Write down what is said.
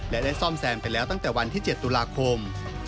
และได้ซ่อมแซมไปแล้วตั้งแต่วันที่๗ตุลาคม